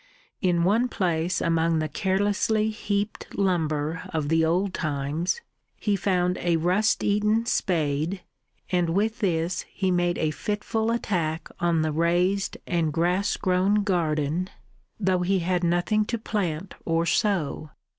In one place among the carelessly heaped lumber of the old times he found a rust eaten spade, and with this he made a fitful attack on the razed and grass grown garden though he had nothing to plant or sow.